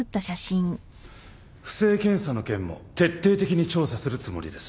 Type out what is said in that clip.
不正検査の件も徹底的に調査するつもりです。